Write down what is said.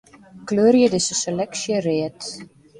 Kleurje dizze seleksje read.